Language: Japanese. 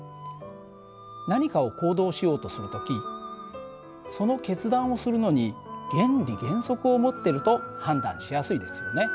何かを行動しようとする時その決断をするのに原理原則を持ってると判断しやすいですよね。